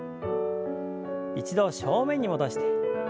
一度正面に戻して。